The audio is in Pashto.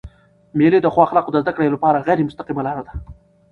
مېلې د ښو اخلاقو د زدهکړي له پاره غیري مستقیمه لار ده.